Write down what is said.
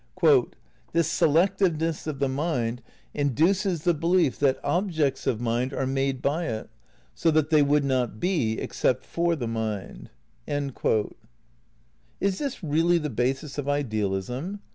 "This selectiveness of the mind induces the belief that objects of. mind are made by it, so that they would not be except for the mind." ' Is this really the basis of idealism?